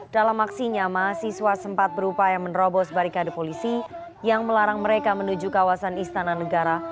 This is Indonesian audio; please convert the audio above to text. dalam aksinya mahasiswa sempat berupaya menerobos barikade polisi yang melarang mereka menuju kawasan istana negara